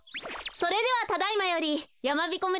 それではただいまよりやまびこ村